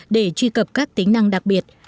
để truy cập các tính năng đặc biệt